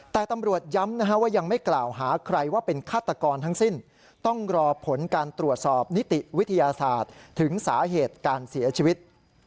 แต่ตำรวจย้ำว่ายังไม่กล่าวหาใครว่าเป็นฆาตกรทั้งสิ้นต้องรอผลการตรวจสอบนิติวิทยาศาสตร์ถึงสาเหตุการเสียชีวิต